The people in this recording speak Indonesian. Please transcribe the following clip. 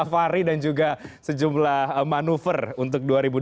safari dan juga sejumlah manuver untuk dua ribu dua puluh